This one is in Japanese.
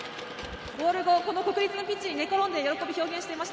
ゴール後、この国立のピッチに寝転んで喜びを表現していました。